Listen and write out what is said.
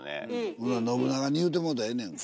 ほな信長に言うてもろたらええねやんか。